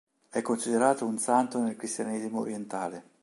È considerato un santo nel cristianesimo orientale.